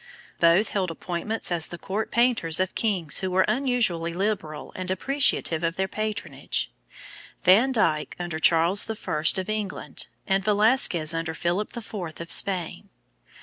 Both held appointments as the court painters of kings who were unusually liberal and appreciative in their patronage, Van Dyck under Charles I. of England, and Velasquez under Philip IV. of Spain.